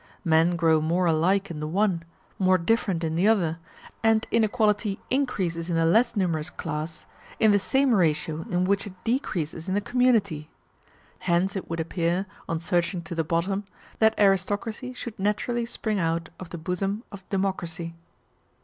Men grow more alike in the one more different in the other; and inequality increases in the less numerous class in the same ratio in which it decreases in the community. Hence it would appear, on searching to the bottom, that aristocracy should naturally spring out of the bosom of democracy.